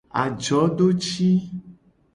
Ajodoci.